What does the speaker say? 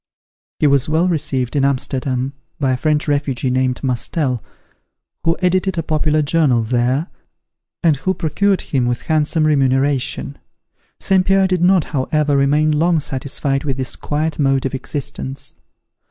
He was well received at Amsterdam, by a French refugee named Mustel, who edited a popular journal there, and who procured him employment, with handsome remuneration. St. Pierre did not, however, remain long satisfied with this quiet mode of existence.